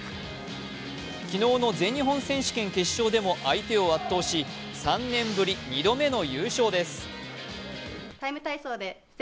昨日の全日本選手権決勝でも相手を圧倒し３年ぶり２度目の優勝です。